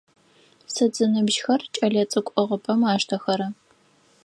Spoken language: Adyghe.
Сыд зыныбжьыхэр кӏэлэцӏыкӏу ӏыгъыпӏэм аштэхэра?